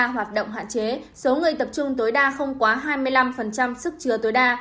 cấp độ bốn hoạt động hạn chế số người tập trung tối đa không quá năm mươi sức chừa tối đa